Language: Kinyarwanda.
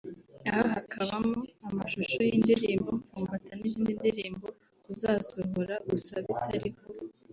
aha hakabamo amashusho y’indirimbo mpfumbata n’izindi ndirimbo tuzasohora gusa bitari vuba